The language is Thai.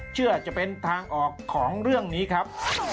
จะเป็นทางออกของเรื่องนี้ครับ